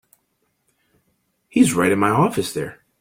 He's right in my office there.